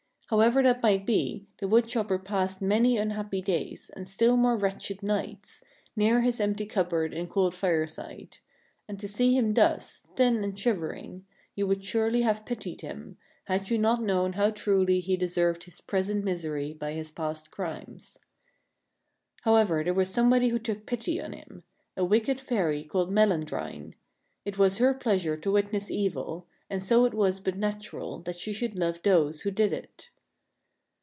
However that might be, the wood chopper passed many unhappy days, and still more wretched nights, near his empty cupboard and cold fireside ; and to see him thus, thin and shivering, you would surely have pitied him, had you not known how truly he deserved his present misery by his past crimes. However, there was somebody who took pity on him — a wicked fairy called Melandrine. It was her pleasure to witness evil, and so it was but natural that she should love those who did it.